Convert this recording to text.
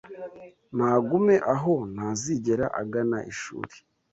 nagume aho ntazigere agana ishuri